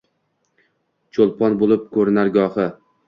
Cho’lpon, bo’lib ko’rinar goxi